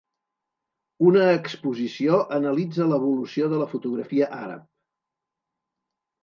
Una exposició analitza l'evolució de la fotografia àrab